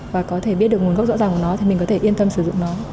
và có thể biết được nguồn gốc rõ ràng của nó thì mình có thể yên tâm sử dụng nó